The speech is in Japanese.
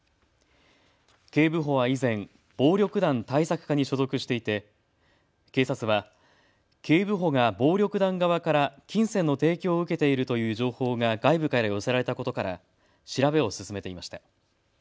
警部補は以前、暴力団対策課に所属していて警察は警部補が暴力団側から金銭の提供を受けているという情報が外部から寄せられたことから調べを進めていました。